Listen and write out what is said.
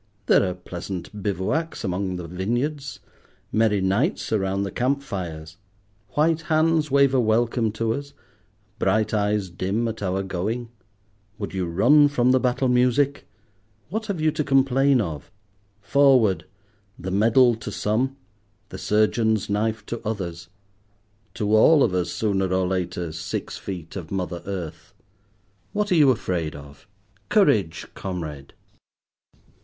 There are pleasant bivouacs among the vineyards, merry nights around the camp fires. White hands wave a welcome to us; bright eyes dim at our going. Would you run from the battle music? What have you to complain of? Forward: the medal to some, the surgeon's knife to others; to all of us, sooner or later, six feet of mother earth. What are you afraid of? Courage, comrade.